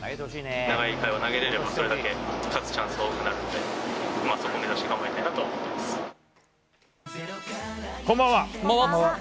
長い回を投げれれば、それだけ勝つチャンスが多くなるので、そこを目指して頑張りたいなとはこんばんは。